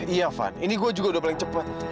iya van ini gue juga udah balik cepet